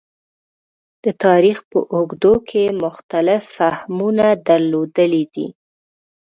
د تاریخ په اوږدو کې مختلف فهمونه درلودلي دي.